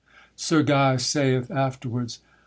SIR GUY sayeth afterwards.